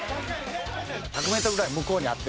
１００メートルぐらい向こうにあって。